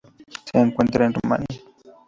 Se encuentra en Rumania.